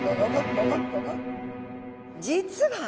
実は！